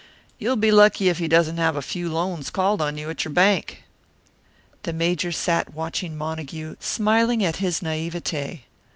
You'll be lucky if he doesn't have a few loans called on you at your bank." The Major sat watching Montague, smiling at his naivete.